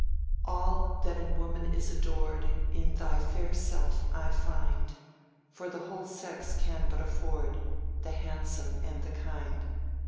"All that in woman is adored In thy fair self I find— For the whole sex can but afford The handsome and the kind."